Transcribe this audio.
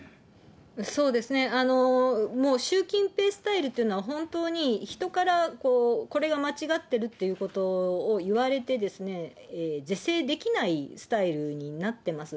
そうですね、もう習近平スタイルというのは、本当に、人からこれが間違ってるっていうことをいわれてですね、是正できないスタイルになってます。